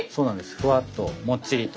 ふわっともっちりと。